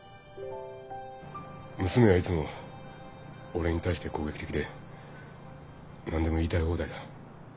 娘はいつも俺に対して攻撃的で何でも言いたい放題だ。